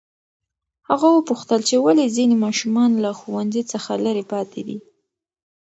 هغه وپوښتل چې ولې ځینې ماشومان له ښوونځي څخه لرې پاتې دي.